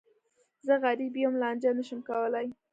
زه غریب یم، لانجه نه شم کولای.